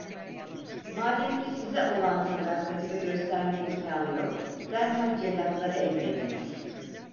Mademki size olan sadakatimi göstermek imkanı yok, derhal cellatlara emrediniz…